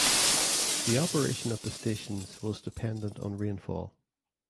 The operation of the stations was dependant on rainfall.